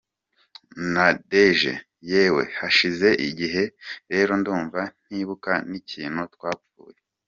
Nadege: Yewe, hashize igihe rero ndumva ntibuka n’ikintu twapfuye.